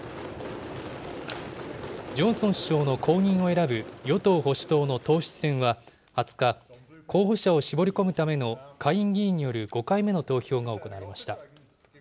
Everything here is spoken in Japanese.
ジョンソン首相の後任を選ぶ与党・保守党の党首選は、２０日、候補者を絞り込むための下院議員による５回目の投票が行われました。